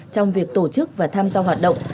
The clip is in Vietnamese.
trong việc tổ chức và tham gia hoạt động